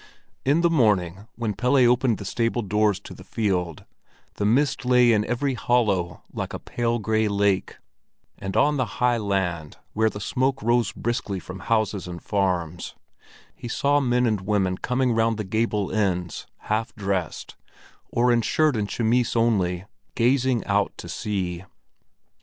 In the morning, when Pelle opened the stable doors to the field, the mist lay in every hollow like a pale gray lake, and on the high land, where the smoke rose briskly from houses and farms, he saw men and women coming round the gable ends, half dressed, or in shirt or chemise only, gazing out to sea.